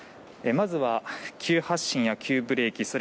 まずは、急発進や急ブレーキ